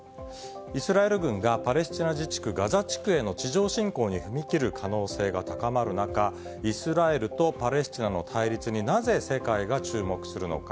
イスラエル軍がパレスチナ自治区ガザ地区への地上侵攻に踏み切る可能性が高まる中、イスラエルとパレスチナの対立になぜ世界が注目するのか。